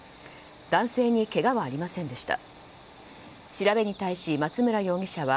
男性にけがはありませんでした。